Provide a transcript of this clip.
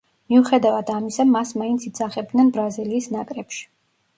მიუხედავად ამისა, მას მაინც იძახებდნენ ბრაზილიის ნაკრებში.